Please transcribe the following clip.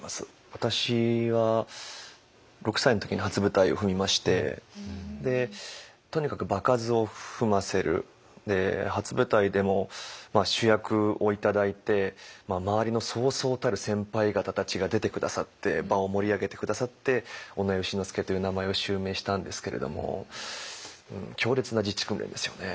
私は６歳の時に初舞台を踏みましてとにかく場数を踏ませる初舞台でも主役を頂いて周りのそうそうたる先輩方たちが出て下さって場を盛り上げて下さって尾上丑之助という名前を襲名したんですけれども強烈な実地訓練ですよね。